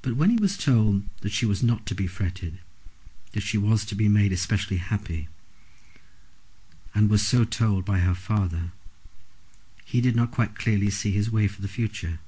But when he was told that she was not to be fretted, that she was to be made especially happy, and was so told by her father, he did not quite clearly see his way for the future.